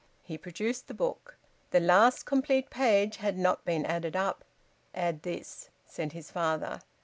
He produced the book. The last complete page had not been added up. "Add this," said his father.